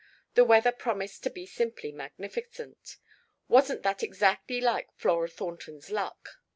The weather promised to be simply magnificent. Wasn't that exactly like Flora Thornton's luck?